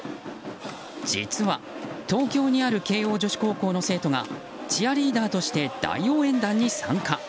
実は、東京にある慶応女子高校の生徒がチアリーダーとして大応援団に参加。